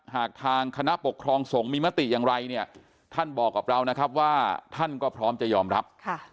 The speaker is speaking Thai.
หากทางคณะปกครองสงฆ์มีมติอย่างไรเนี่ยท่านบอกกับเรานะครับว่าท่านก็พร้อมจะยอมรับ